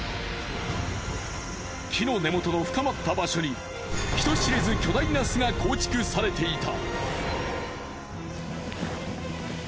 木の根元の深まった場所に人知れず巨大な巣が構築されていた。